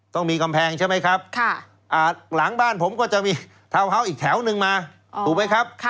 ต้องมีกำแพงใช่ไหมครับหลังบ้านผมก็จะมีทาวน์เฮาส์อีกแถวนึงมาถูกไหมครับ